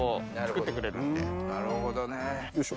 なるほどね。